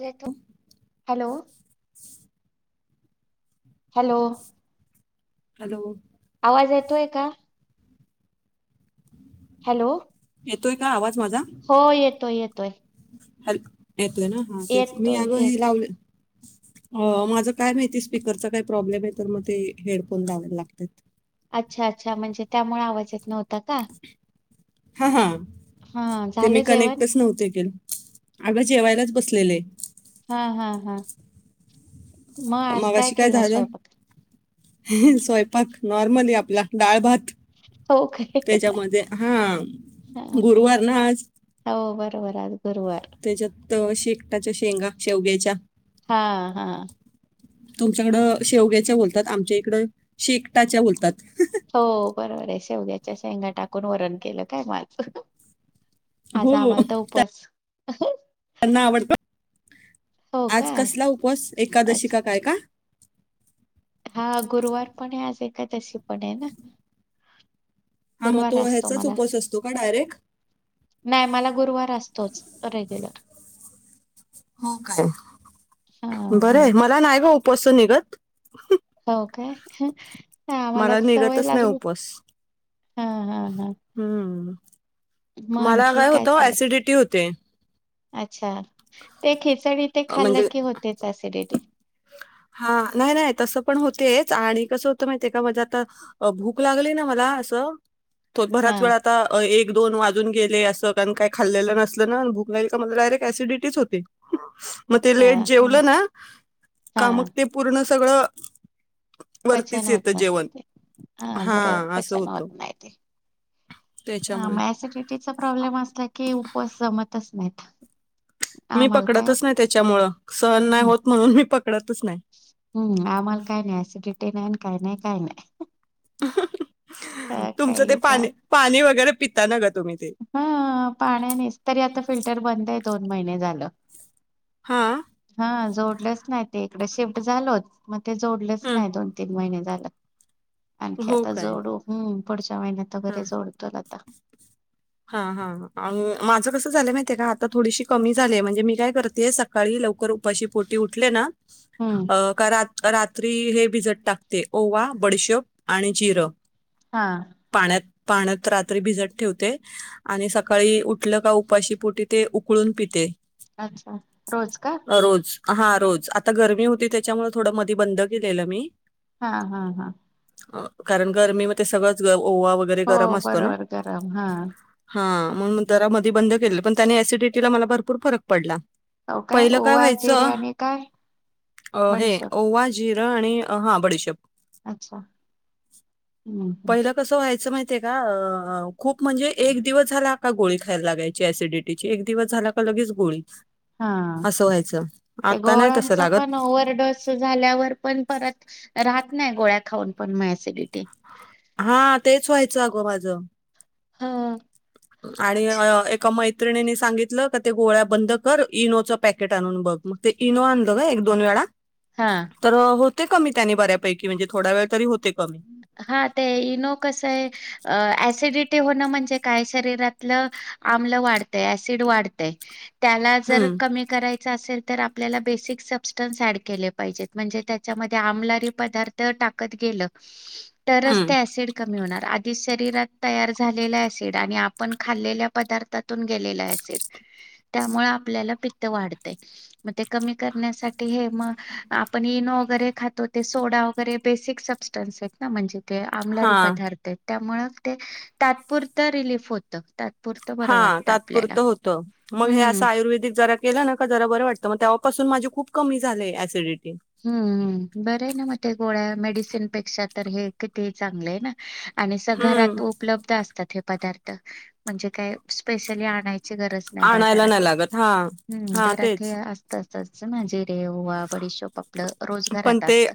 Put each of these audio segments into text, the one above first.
येतो hello hello अ आवाज येतोय का हॅलो येतोय का आवाज हो येतोय येतोय हल येतोय ना हा तेच मी येतोय अगं हे येत लावले अ माझं काय माहिती स्पीकरचा काय प्रॉब्लेम आहे तर मग ते हेडफोन लावायला लागतात अच्छा अच्छा म्हणजे त्यामुळे आवाज येत नव्हता का हा हा हा ते मी झालं जेवण कनेक्टच नव्हते के अगं जेवायलाच बसलेले हा हा हा मग आज काय मगाशी केला झालं सोयंपाक स्वयंपाक नॉर्मली आपला डाळ भात हो काय त्याच्यामध्ये हा हा हा गुरुवार ना आज हो बरोबर आज गुरुवार त्याच्यात शेकटाच्या शेंगा शेवग्याच्या हा हा तुमच्याकडं शेवग्याच्या बोलतात आमच्या इकडं शेकटाच्या बोलतात हो बरोबर आहे शेवग्याच्या शेंगा टाकून वरण केलं काय म आज आज हो आम्हाला तर उपवास [unintelligible] त्यांना आवडत [unintelligible] हो का आज कसला उपवास एकादशीका अच्छा काय का हा गुरुवार पण आहे आज एकादशी पण आहे ना हा मग गुरुवार तो असतो ह्याचाच मला उपवास असतो का डायरेक्ट नाही मला गुरुवार असतोच रेग्युलर हो काय हा हा बरय मला नाही ग उपवास च निगत हो काय आम्हाला मला सवय निघतच नाही लागली उपवास हा हा ह हम्म मग मला आणखी काय होतं चालंय ऍसिडिटी होते अच्छा ते खिचडी ते अ, म्हणजे खाल्लं की होतेच ॲसिडिटी हा नाही नाही तसं पण होतेच आणि कसं होतं माहितय का म्हणजे आता भूक लागली ना मला अस हा बराच वेळ आता एक एक दोन वाजून गेले असं कारण काही खाल्लेलं नसलं ना भूक नाहील का मला डायरेक्ट एसिडिटीच होते मग ते अच्छा लेट हा जेवलं ना का हा मग ते पूर्ण सगळं वरतीच पचन होत येतं जेवण नसल ते हा बरोबर हां, असं पचन होत होतं. नाही ते हा त्याच्यामुळे. मग ॲसिडिटीचा प्रॉब्लेम असला की उपवास जमतच नाहीत मी आम्हाला काय पकडतच नाही त्याच्यामुळ सहन नाही हम्म होत म्हणून मी पक हम्म आम्हाला काही नाही ऍसिडिटी नाही काही नाही काही नाही तर तुमचं ते काही पाणी पाणी वगैरे पिताना ग हा पाण्यानेच तरी आता फिल्टर बंद आहे दोन महिने झालं हां, हा जोडलंच नाही ते इकडे शिफ्ट झालोच मग ते जोडलंच हं. नाही दोन तीन महिने झालं आणखी आता जोडू हम् हा हा हा आणि माझं कस झालं माहि माहितेय का आता थोडीशी कमी झाली म्हणजे मी काय करतेय सकाळी लवकर उपाशी पोटी उठले ना हम्म अ का रात रात रात्री हे भिजत टाकते ओवा बडीशोप आणि जिरं हा पाण्यात पाण्यात रात्री भिजत ठेवते आणि सकाळी उठलं का उपाशीपोटी ते उक उकळून प ते अच्छा रोज का? रोज हा रोज आता गरमी होती त्याच्यामुळे थोडं मधी बंद केलेलं मी हा हा हा कारण गरमी म ते सगळंच ओवा वगैरे हो गरम असतो ना बरोबर गरम हां. हा म्हणून जरा मधी बंद केले पण त्यानी अँसिडिटीला मला भरपूर फरक पडला हो पहिलं काय ओवा जिरे व्हायचं आणि काय हे बडीशोप ओवा जी - जिर आणि हा बडीशोप अच्छा हम्म हम्म. पहिलं कस व्हायचं माहित माहितीय का अ या खूप म्हणजे एक दिवस झाला का गोळी खायला लागायची ऑसिडिटी ची एक दिवस झाला का लगेच गोळी हा असं व्हायचं. ते आता नाही तसं गोळ्यांच लागत. पण ओव्हर डोस झाल्यावर पण परत राहत नाही गोळ्या खाऊन पण म ऑसिडिटी हा तेच व्हायचं अगं माझं हा आणि एका मैत्रिणीनी सांगितलं का ते गोळ्या बंद कर इनोचं पॅकेट आणून बघ मग ते इनो आणल ग एक दोन वेळा हां. तर होते कमी त्यानी बऱ्यापैकी म्हणजे थोडा वेळ तरी होते कमी हा ते इनो कस आहे ऑसिडिटी म्हणजे काय शरीरातलं आम्ल वाढतय, ऍसिड वाढत त्याला जर हम्म कमी करायचं असेल तर आपल्याला बेसिक सबस्टन्स ॲड केले पाहिजेत म्हणजे त्याच्यामध्ये आमलारी पदार्थ टाकत गेलं तरच हम्म ते ऍसिड कमी होणार आणि शरीरात तयार झालेला ऍसिड आणि आपण खाल्लेल्या पदार्थातून गेलेला ऍसिड त्यामुळे आपल्याला पित्त वाढत मग ते कमी करण्यासाठी हे म आपण एनो वगैरे खातो ते सोडा वगैरे बेसिक सबस्टन्स आहेत ना म्हणजे ते हा आमलारी पदार्थ आहेत. त्यामुळं ते तात्पुरत रिलीफ होतं. तात्पुरतं बरं हा वाटत आपल्याला तात्पुरतं होतं मग हे हम्म असं आयुर्वेदिक जरा केलं ना का जरा बरं वाटतं मग तेव्हापासून माझी खूप कमी झाली ऍसिडिटी हम्म हम्म बरं आहे ना माग त्या गोळ्या मेडिसिन पेक्षा तर हे किती चांगले ना आणि घरात हम्म उपलब्ध असतात. पदार्थ म्हणजे काय? स्पेशली आणायची गरज नाही आणायला नाही बाजारातून लागत हा हम्म हा घरात हे तेच असतच. कच्चं जिऱे ओवा, बडीशोप आपलं रोज पण घरात ते असतं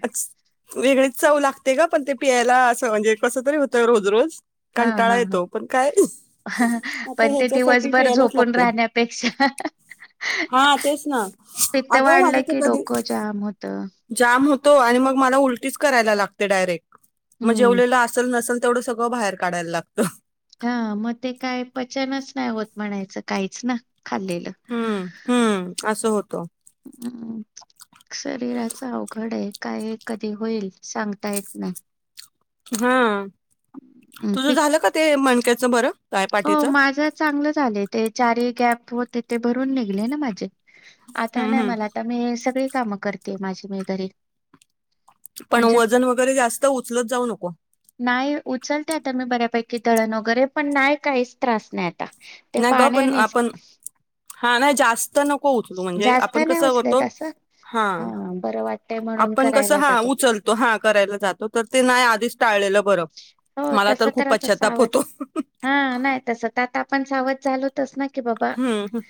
वेगळीच चव लागते का पण ते पियला असं म्हणजे कस तरी होतं रोज रोज कंटाळा येतो पण काय. ह आता पण ते ह्याच्यासाठी दिवसभर प्यायलाच झोपून लागते राहण्यापेक्षा हा तेच ना पित्त अगं वाढलं माझं तर की कधी डोकं जाम होत. जाम होतो आणि मग मला उलटीच करायला लागते डायरेक्ट मग हम्म जेवलेल असल नसेल तेवढं सगळ बाहेर काढायला लागत. हा मग ते काय पचनच नाही होत म्हणायचं काहीच ना. खाल्लेलं हम्म हम्म असं होतं हम् शरीराच अवघड आहे. काय कधी होईल सांगता येत नाही. हा हम्म, तुझं पित्त झालं का ते मणक्याचं बरं? काय हो पाठीचं माझं चांगलं झालं ते चारी गॅप होते ते भरून निघले ना माझे. आता हम्म नाही हम्म मला आता मी सगळी कामं करते माझी मी घरी. पण म्हणजे वजन वगैरे जास्त उचलत जाऊ नको. नाही उचलते आता मी बऱ्यापैकी दळण वगैरे पण नाही काहीच त्रास नाही आता. ते नाही ग पण पाण्यानेच आपण हा नाही जास्त नको. नको उचलू म्हणजे जास्त आपण नाही कस होतो उचलत असं हा. बरं वाटतय म्हणून आपण कस करायला हा जातो. उचलतो हा करायला जातो तर ते नाही आधीच टाळलेलं बर हो मला तस तर खूप आता पश्चाताप सावध होतो. हा नाही तसं तर आता आपण सावध झालोतच ना की बाबा हम्म.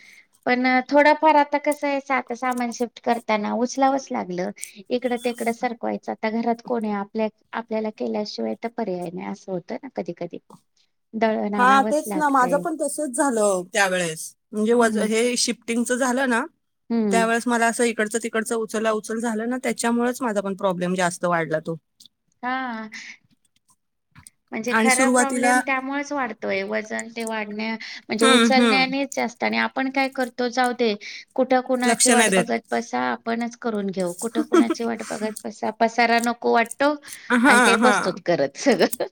पण थोडाफार आता कसं आता सामान शिफ्ट करताना उचलावंच लागलं. इकडं तेकडं सारखवायचं आता घरात कोण आपल्या आपल्याला केल्याशिवाय पर्याय नाही असं होतं ना कधी कधी. दळण हा आणावंच तेच ना माझं लागतय पण तसच झालं त्यावेळेस, म्हणजे हम्म हे शिफ्टिंगच झालं. हम्म त्या वेळेस मला अस [unintelligible] इकड तिकडच उचला उचल झालं ना त्याच्यामुळेच माझा पण प्रॉब्लेम जास्त वाढला तो हा म्हणजे आणि खरा प्रॉब्लेम सुरुवातीला त्यामुळेच वाढतोय वजन ते वाढण्या. म्हणजे हम्म हम्म उचलण्याने जास्त आणि आपण काय करतो जाऊ दे. कुठं कुणाची लक्ष वाट नाही देत बघत बसा आपणच करून घेऊ कुठं कुणाची वाट बघत बसास सरा नको वाटतो हा आणि ते हा बसतो करत सगळं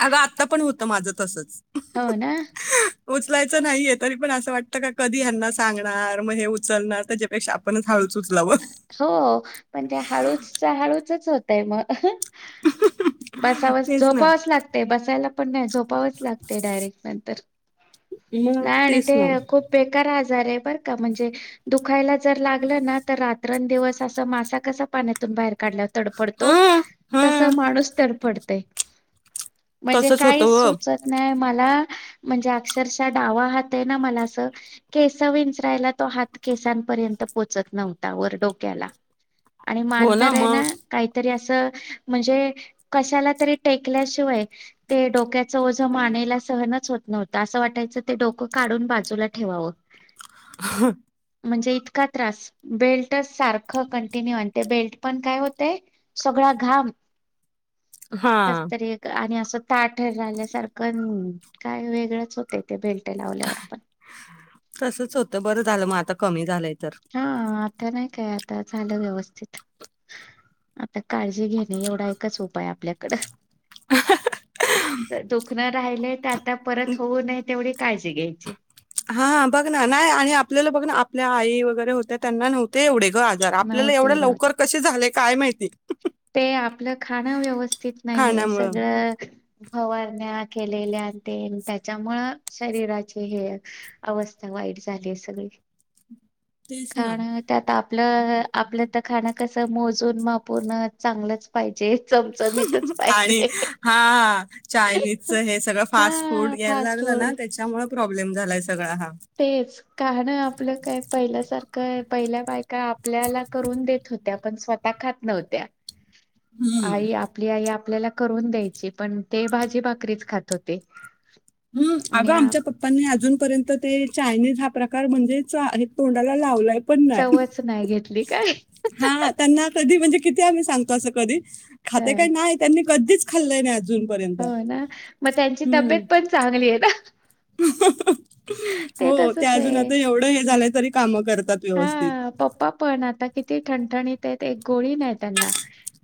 अगं आत्ता पण होतं माझं तसच हो ना उचलायचं नाही येत. तरी पण असं वाटतं का कधी ह्यांना सांगणार मग हे उचलणार त्याच्यापेक्षा आपणच हळू. हो पण त्या हळू हळूचच होतय मग. बसावस तेच ना झोपावास लागते बसायला पण नाही झोप आज लागते डायरेक्ट नंतर मग नाही आणि तेच ना खूप बेकारहाल अरे बर का म्हणजे दुखायला जर लागलं ना. तर रात्रंदिवस असा मासा कसा पाण्यातून बाहेर काढला होता. तडफडतो हम्म तस हम्म माणूस तडफडते. म्हणजे तसच काही होतं व सुचत नाही मात म्हणजे अक्षरशः डावा हात आहे ना मला असं केस विंचरायला तो हात घे. तान पर्यंत पोहोचत नव्हता वर डोक्याला आणि हो ना मानताना मग काहीतरी असं. म्हणजे कशाला तरी टेकल्याशिवाय ते डोक्याच ओझ मानेला. सहनच होत नव्हतं असं वाटायचं ते डोकं काढून बाजूला ठेवावं. ह म्हणजे इतका त्रास बेल्ट सारखं कंटिन्यू आणि ते बेल्ट पण काय होतय सगळा घाम [inaudible] हा कसतरी एक आणि असं ताठ झाल्यासारखन काय वेगळंच होतेय त्या बेल् तसच होतं बरं झालं मग आता कमी झालंय तर हा आता नइ काय आता झालं व्यवस्तित आता काळजी घेणे एवडा एकच उपाय आपल्याकडं दुखन राहिलय त आता परत होऊ नये तेवडी काळजी घ्यायची हा बग ना नाय आणि आपल्याला बग ना आपल्या आई वगैरे होत्या त्यांना नव्हते एवडे ग आजार आपल्याला एवड्या नव्हते नव्हते लवकर कशे झालेय काय माहिती ते आपलं खाणं व्यवस्थित नाहीये खाण्यामुळं सगळ फवारण्या केलेल्या तेन तेच्यामुळ शरीराची हे अवस्था वाईट झालीये सगळी [inaudible] ना खाण त्यात आपलंअ आपलं त खाणं कस मोजून मापून चांगलंच पाई आणि हाआ््् चायनीजच हे सगळं फास्ट हा फूडहे फास्ट लागल फूड ना तेच्या प्रॉब्लेम झालाय सगळा हा तेच कहाणं आपलं काय पइल्यासार क पइल्या बायका आपल्याला करून देत होत्या पण स्वता खात नव्हत्या हम्म आई आपली आई आपल्याला करून द्यायची पण ते भाजी भाकरीच खात होते हम्म अगं आणि आ- आमच्या पप्पांनी अजूनपरेंत ते चायनीज हा प्रकार म्हणजे चा आणि तोंडाला लावलाय पण नाय चवच नाही घेतली काय हा त्यांना कदी म्हणजे कीती आमी सांग अस कदी खाते काय नाय त्यांनी कदिच खाल्लंय नाय अजून हो ना म त्यांची तब्येत पण चांगलीए ना हो ते तसच अजून आहे. आता एवड हे झालंय तरी काम करतात व्यवस्थित हा पप्पा पण आता किती ठणठणीतएत एक गोळी नाय तेना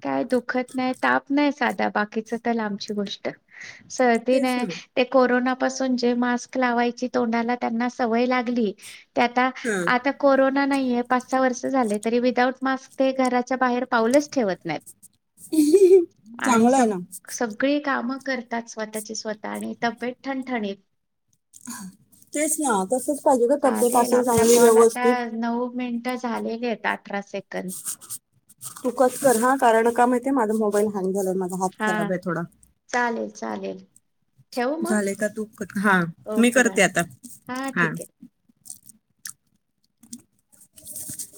काय दुखत नाय ताप नाय साधा बाकीचा तर लांबची गोष्ट सरदी तेच नाय ना ते कोरोना पासुन जे मास्क लावायचे तोंडाला तेंना सवय लागली ते आता हा आता प कोरोना नाइये पाच सहा वर्ष झाले तरी विदाऊट मास्क ते घराच्या बाहेर पाऊलच ठेवत नाईत आणि चांगलं आहे सग ना सगळी काम करतात स्वता ची स्वता आणि तब्येत ठणठणीत तेच ना तसच पाईजे ना तब्येत चालेल असेल आपला चांगली कॉल व्यवस्थ आता नऊ मिनिटं झालेलीएत अठरा सेकंद तु कट र हा कारण का माहितीये माझा मोबाईल हँग झालाय माझा हात हा खराबए थोडा चालेल चालेल ठेवू मग झालेय का तुप कट हा मी ओके बाय करते आता ठीक हा आहे